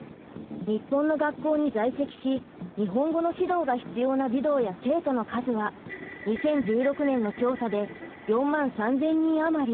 日本の学校に在籍し日本語の指導が必要な児童や生徒の数は２０１６年の調査で４万３，０００人余り。